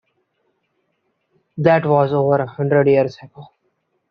That was over a hundred years ago.